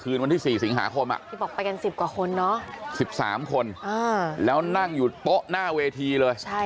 คืนวันที่สี่สิงหาคมและบอกไปกัน๑๐กว่าคนเนาะ๑๓คนแล้วนั่งอยู่ตะหน้าเวทีเลยใช่